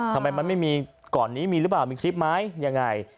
ทำไมมันไม่มีก่อนนี้มีหรือเปล่ามีคลิปไหมยังไง